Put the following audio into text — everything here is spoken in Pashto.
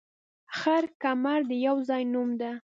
خړ کمر د يو ځاى نوم دى